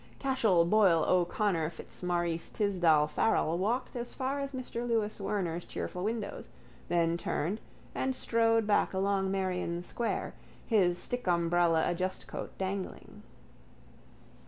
Cashel Boyle O'Connor Fitzmaurice Tisdall Farrell walked as far as Mr Lewis Werner's cheerful windows, then turned and strode back along Merrion square, his stickumbrelladustcoat dangling.